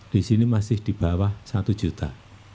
di sini masih di bawah satu juta